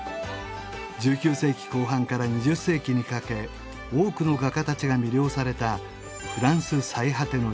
１９世紀後半から２０世紀にかけ多くの画家たちが魅了されたフランス最果ての